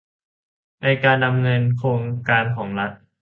ในการดำเนินโครงการของรัฐ